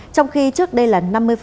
trong khi trước đây là năm